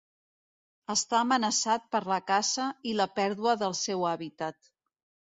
Està amenaçat per la caça i la pèrdua del seu hàbitat.